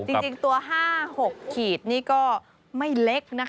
จริงตัว๕๖ขีดนี่ก็ไม่เล็กนะคะ